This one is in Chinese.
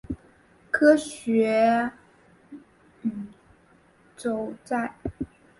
科学酬载